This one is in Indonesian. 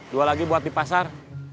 jual lagi buat di pasar